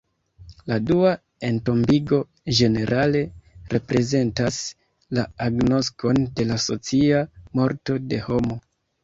La dua entombigo, ĝenerale, reprezentas la agnoskon de la socia morto de homo.